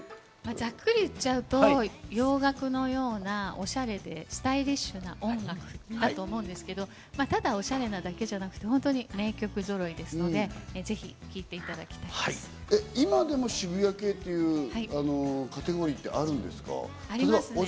ざっくり言っちゃうと、洋楽のような、おしゃれでスタイリッシュな音楽だと思うんですけど、ただおしゃれなだけじゃなくて、本当に名曲揃いですので、ぜひ聴今でも渋谷系というカテゴリありますね。